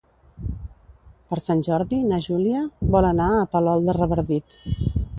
Per Sant Jordi na Júlia vol anar a Palol de Revardit.